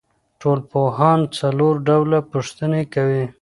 ټولنپوهان څلور ډوله پوښتنې کوي.